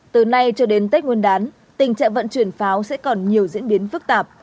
từ nay cho đến tết nguyên đán tình trạng vận chuyển pháo sẽ còn nhiều diễn biến phức tạp